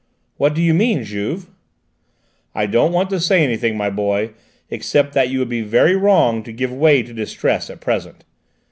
"What do you mean, Juve?" "I don't want to say anything, my boy, except that you would be very wrong to give way to distress at present.